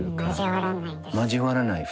交わらないです。